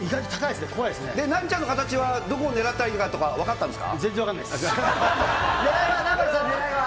ナンチャンの形は、どこを狙ったらいいのかとか、分かったんですか？